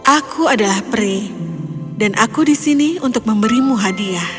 aku adalah peri dan aku di sini untuk memberimu hadiah